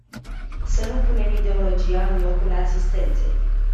Să nu punem ideologia în locul asistenței.